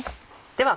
では